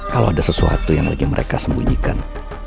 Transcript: kalau ada sesuatu yang lagi mereka sembunyikan